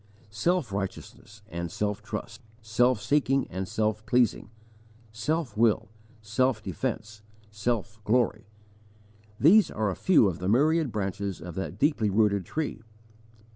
Self righteousness and self trust, self seeking and self pleasing, self will, self defence, self glory these are a few of the myriad branches of that deeply rooted tree.